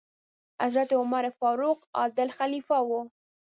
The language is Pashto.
حضرت عمر فاروق رض عادل خلیفه و.